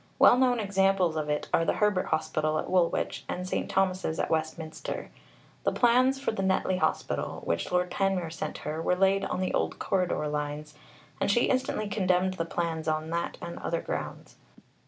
Well known examples of it are the Herbert Hospital at Woolwich, and St. Thomas's at Westminster. The plans for the Netley Hospital, which Lord Panmure sent her, were laid on the old "corridor" lines, and she instantly condemned the plans on that and other grounds.